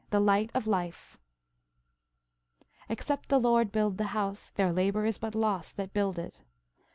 THE LIGHT OF LIFE "Except the Lord build the house, their labour is but lost that build it."